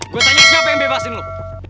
gue tanya siapa yang bebasin loh